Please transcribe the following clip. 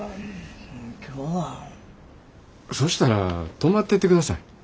そしたら泊まってってください。